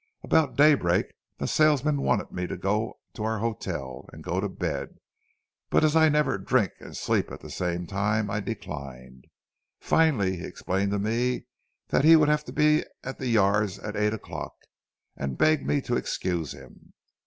About daybreak, the salesman wanted me to go to our hotel and go to bed, but as I never drink and sleep at the same time, I declined. Finally he explained to me that he would have to be at the yards at eight o'clock, and begged me to excuse him.